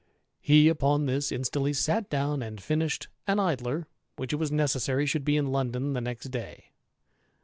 He upon this instantly sat down and finished an Idler ^ which it '^ necessary should be in London the next day.